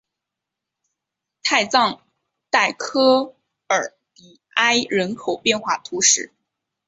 泰藏代科尔比埃人口变化图示